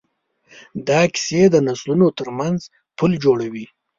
دا کیسې د نسلونو ترمنځ پل جوړوي.